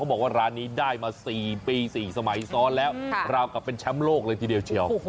บอกว่าร้านนี้ได้มา๔ปี๔สมัยซ้อนแล้วราวกับเป็นแชมป์โลกเลยทีเดียวเชียว